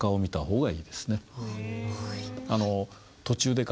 はい。